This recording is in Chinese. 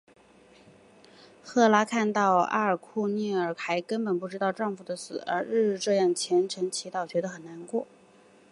赫拉看到阿尔库俄涅还根本不知道丈夫的死而日日这样虔诚祈祷觉得很难过。